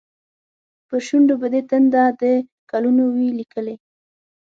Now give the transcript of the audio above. پر شونډو به دې تنده، د کلونو وي لیکلې